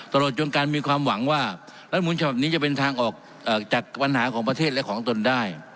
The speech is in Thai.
ตลอดจนการมีความหวังว่ารัฐมนต์ฉบับนี้จะเป็นทางออกจากปัญหาของประเทศและของตนได้